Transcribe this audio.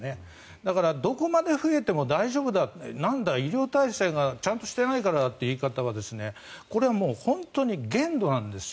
だから、どこまで増えても大丈夫なんだなんだ医療体制がちゃんとしてないからだって言い方はこれはもう本当に限度なんですよ。